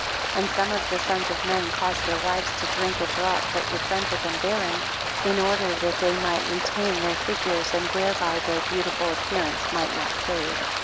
20. And some of the sons of men caused their wives to drink a draught that would render them barren, in order that they might retain their figures and whereby their beautiful appearance might not fade.